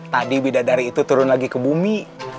tadi bidadari itu turun lagi ke bumi